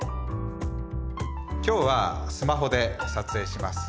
今日はスマホで撮影します。